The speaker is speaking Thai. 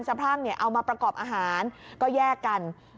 พรั่งเอามาประกอบอาหารก็แยกกัน